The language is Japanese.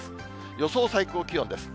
予想最高気温です。